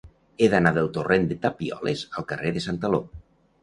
He d'anar del torrent de Tapioles al carrer de Santaló.